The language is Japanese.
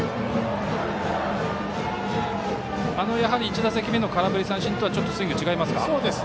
やはり１打席目の空振り三振とはちょっとスイングが違いますか。